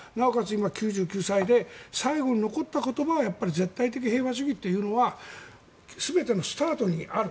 今９９歳で最後残った言葉は絶対的平和主義というのは全てのスタートにある。